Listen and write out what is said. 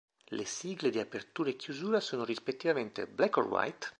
Le sigle di apertura e chiusura sono rispettivamente "Black or White?